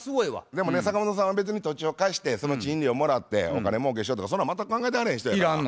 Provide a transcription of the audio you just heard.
でもね坂本さんは別に土地を貸してその賃料をもらってお金もうけしようとかそんなん全く考えてはれへん人やから。